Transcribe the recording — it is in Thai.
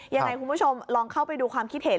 ยังไงคุณผู้ชมลองเข้าไปดูความคิดเห็น